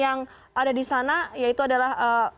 yang ada di sana yaitu adalah